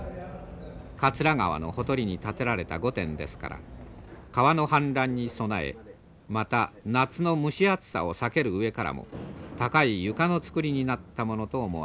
桂川のほとりに建てられた御殿ですから川の氾濫に備えまた夏の蒸し暑さを避ける上からも高い床の造りになったものと思われます。